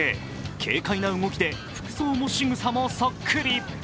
軽快な動きで服装もしぐさもそっくり。